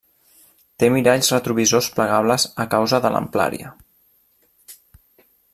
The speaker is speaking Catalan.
Té miralls retrovisors plegables a causa de l'amplària.